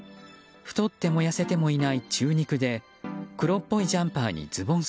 太っても痩せてもいない中肉で黒っぽいジャンパーにズボン